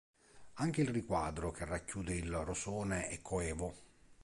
Anche il riquadro che racchiude il rosone è coevo.